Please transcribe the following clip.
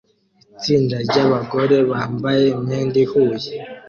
Itsinda ryabagore bambaye imyenda ihuye